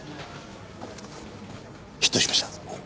ヒットしました。